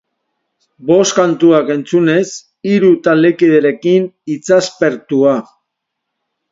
Bost kantuak entzunez, hiru taldekiderekin hitzaspertua.